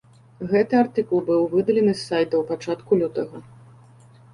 Гэты артыкул была выдаленая з сайта ў пачатку лютага.